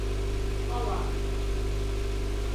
Һалабыҙ!